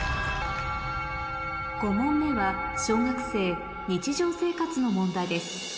５問目は小学生日常生活の問題です